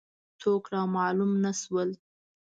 څوک را معلوم نه شول.